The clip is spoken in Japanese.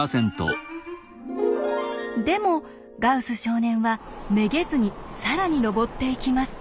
でもガウス少年はめげずに更に上っていきます。